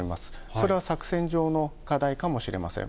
それは作戦上の課題かもしれません。